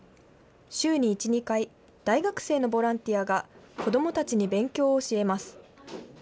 週に１、２回、大学生のボランティアが子どもたちに勉強を教えます。